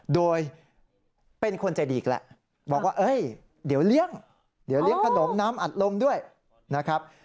โดยเป็นคนใจดีอีกแหละบอกว่าเอ้ยเดี๋ยวเลี้ยงเดี๋ยวเลี้ยงขนมน้ำอัดลมด้วยนะครับ